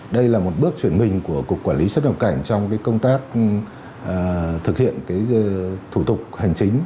đây là một bước chuyển mình của cục quản lý xuất nhập cảnh trong công tác thực hiện thủ tục hành chính